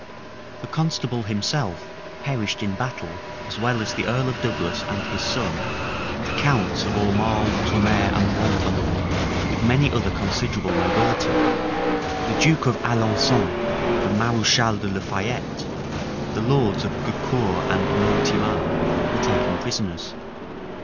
The constable himself perished in battle as well as the earl of Douglas and his son, the counts of Aumale, Tonnerre, and Ventadour, with many other considerable nobility. The duke of Alençon, the mareschal de la Fayette, the lords of Gaucour and Mortemar, were taken prisoners.